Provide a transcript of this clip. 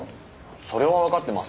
それはわかってます。